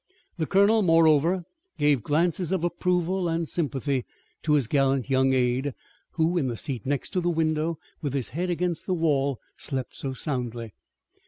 The colonel, moreover, gave glances of approval and sympathy to his gallant young aide, who in the seat next to the window with his head against the wall slept so soundly.